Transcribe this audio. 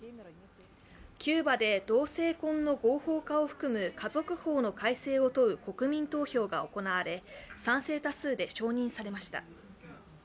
キューバで、同性婚の合法化を含む家族法の改正を問う国民投票が行われ賛成多数で承認されました。